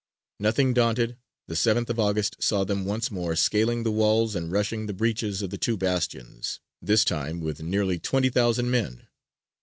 Nothing daunted, the 7th of August saw them once more scaling the walls and rushing the breaches of the two bastions, this time with nearly twenty thousand men.